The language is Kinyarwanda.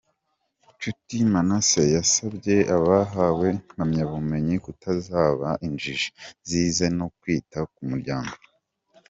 Nshuti Manasseh, yasabye abahawe impamyabumenyi kutazaba injiji zize no kwita ku muryango.